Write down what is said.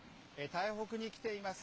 台北に来ています。